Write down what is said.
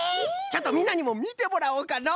ちょっとみんなにもみてもらおうかの！